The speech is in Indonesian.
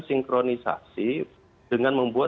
sinkronisasi dengan membuat